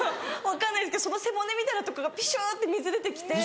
分かんないですけどその背骨みたいな所からピシュって水出て来て。